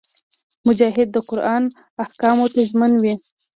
مجاهد د قران احکامو ته ژمن وي.